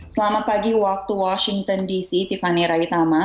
selamat pagi waktu washington dc tiffany raitama